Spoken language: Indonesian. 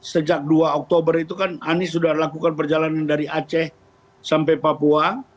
sejak dua oktober itu kan anies sudah lakukan perjalanan dari aceh sampai papua